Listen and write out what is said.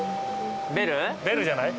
ベルじゃない？